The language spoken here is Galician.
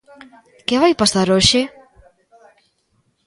Que vai pasar hoxe?